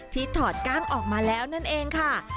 ถอดกล้างออกมาแล้วนั่นเองค่ะ